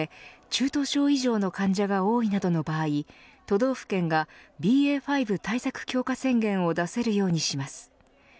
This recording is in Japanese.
中等症以上の患者が多いなどの場合都道府県がＢＡ．５対策強化宣言を出せるようにします。